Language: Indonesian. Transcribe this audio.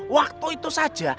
waktu itu saja